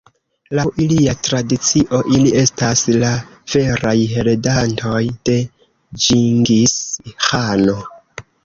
Laŭ ilia tradicio, ili estas la veraj heredantoj de Ĝingis-Ĥano.